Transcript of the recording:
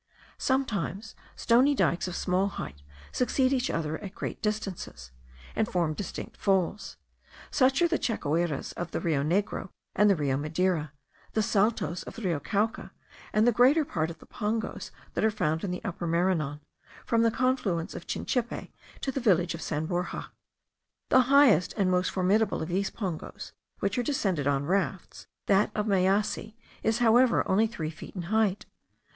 Sometimes stony dikes of small height succeed each other at great distances, and form distinct falls; such are the cachoeiras of the Rio Negro and the Rio Madeira, the saltos of the Rio Cauca, and the greater part of the pongos that are found in the Upper Maranon, from the confluence of the Chinchipe to the village of San Borja. The highest and most formidable of these pongos, which are descended on rafts, that of Mayasi, is however only three feet in height.